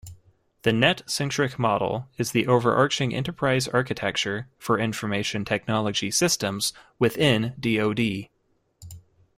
The net-centric model is the overarching enterprise architecture for information technology systems within DoD.